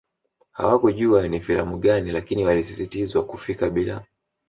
Hawakujua ni filamu gani lakini walisisitizwa kufika bila